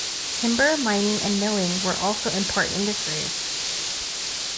Timber, mining and milling were also important industries.